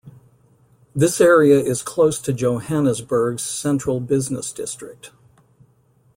This area is close to Johannesburg's central business district.